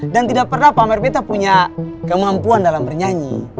dan tidak pernah pamer bete punya kemampuan dalam bernyanyi